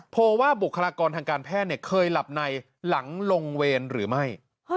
ว่าบุคลากรทางการแพทย์เคยหลับในหลังลงเวรหรือไม่